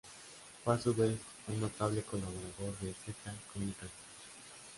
Fue a su vez un notable colaborador de Z Communications.